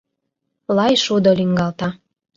Лай шудо лӱҥгалта.